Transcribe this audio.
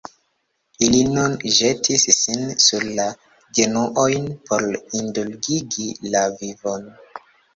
Ili nun ĵetis sin sur la genuojn por indulgigi la vivon.